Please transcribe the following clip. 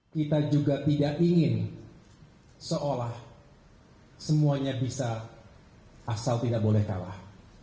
kita juga tidak ingin seolah semuanya bisa asal tidak boleh kalah